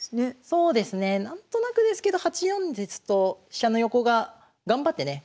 そうですね何となくですけど８四ですと飛車の横が頑張ってね